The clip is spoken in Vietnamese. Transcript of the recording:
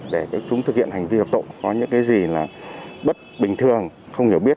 để chúng thực hiện hành vi hợp tộ có những gì bất bình thường không hiểu biết